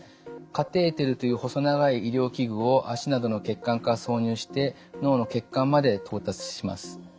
カテーテルという細長い医療器具を脚などの血管から挿入して脳の血管まで到達します。